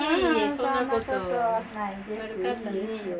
そんなことはないです。